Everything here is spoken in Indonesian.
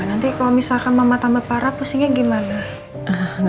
nanti kalau misalkan mama tambah parah pusingnya gimana